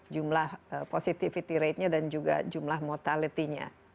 jumlah positivity ratenya dan juga jumlah mortality nya